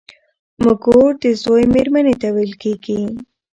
مږور د زوی مېرمني ته ويل کيږي.